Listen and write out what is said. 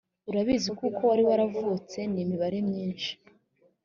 urabizi kuko wari waravutse n imibare y iminsi